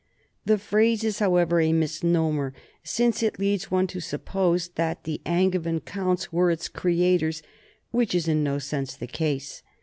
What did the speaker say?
The phrase is, however, a misnomer, since it leads one to suppose that the Angevin counts were its creators, which is in no sense the case.